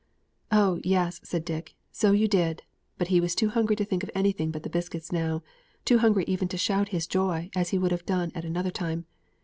"Oh, yes," said Dick, "so you did;" but he was too hungry to think of anything but the biscuits now too hungry even to shout his joy, as he would have done at another time.